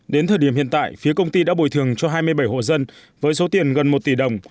đến thời điểm hiện tại phía công ty đã bồi thường cho hai mươi bảy hộ dân với số tiền gần một tỷ đồng